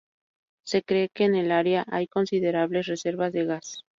Se cree que en el área hay considerables reservas de gas.